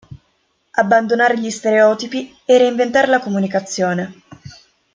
Abbandonare gli stereotipi e reinventare la comunicazione.